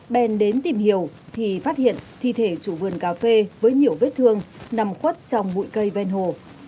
bèn đến tìm hiểu thì phát hiện thi thể chủ vườn cà phê với nhiều vết thương nằm khuất trong bụi cây ven hồ